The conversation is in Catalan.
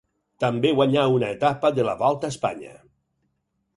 També guanyà una etapa de la Volta a Espanya.